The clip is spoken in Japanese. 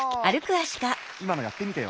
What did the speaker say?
いまのやってみてよ。